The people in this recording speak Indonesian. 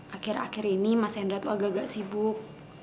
akhir akhir ini mas hendra itu agak agak sibuk